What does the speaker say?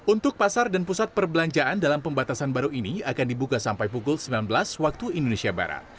untuk pasar dan pusat perbelanjaan dalam pembatasan baru ini akan dibuka sampai pukul sembilan belas waktu indonesia barat